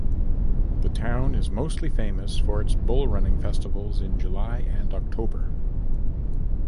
The town is mostly famous for its bull-running festivals in July and October.